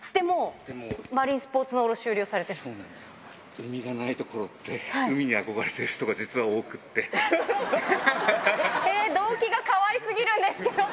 海がない所って、海に憧れてる人が実は多くっえっ、動機がかわいすぎるんですけど。